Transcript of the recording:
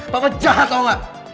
papa jahat tau gak